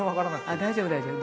あ大丈夫大丈夫。